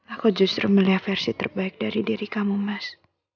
aku justru melihat versi terbaik dari diri kamu mas